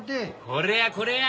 これやこれや。